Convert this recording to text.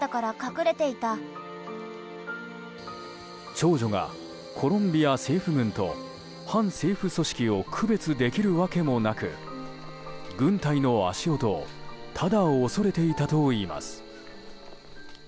長女がコロンビア政府軍と反政府組織を区別できるわけもなく軍隊の足音をただ恐れていたといいます。